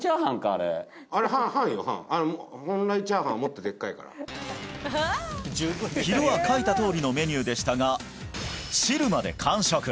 あれあれ半よ半同じチャーハンもっとでっかいから昼は書いたとおりのメニューでしたが汁まで完食！